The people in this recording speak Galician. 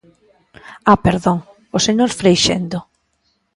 ¡Ah perdón!, o señor Freixendo.